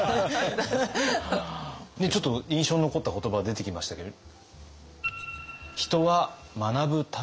ちょっと印象に残った言葉出てきましたけど。